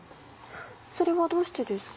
それはどうしてですか？